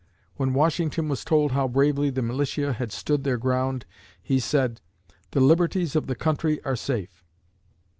When Washington was told how bravely the militia had stood their ground, he said, "The liberties of the country are safe!"